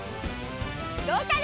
どうかな？